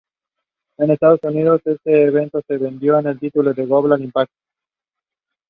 En Estados Unidos este evento se vendió con el título de "Global Impact!